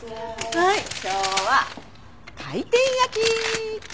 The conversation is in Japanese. はい今日は回転焼き！